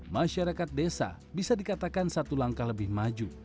masyarakat desa bisa dikatakan satu langkah lebih maju